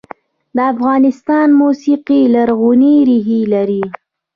د افغانستان موسیقي لرغونې ریښې لري